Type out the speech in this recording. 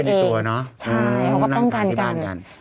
เขาก็ต้องการกัน